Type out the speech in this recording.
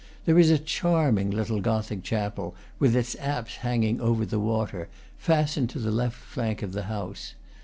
There is a charming little Gothic chapel, with its apse hanging over the water, fastened to the left flank of the house.